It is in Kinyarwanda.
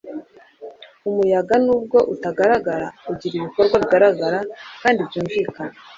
Umuyaga nubwo utagaragara ugira ibikorwa bigaragara, kandi byumvikana.